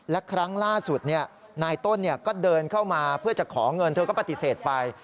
และครั้งล่าสุดนายต้นก็เดินเข้ามาเพื่อจะขอเงินเธอก็ปฏิเสธไป